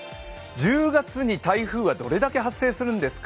１０月に台風はどれだけ発生するんですか？